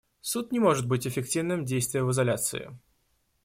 Суд не может быть эффективным, действуя в изоляции.